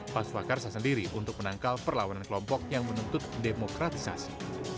pamsuakarsa sendiri untuk menangkal perlawanan kelompok yang menuntut demokratisasi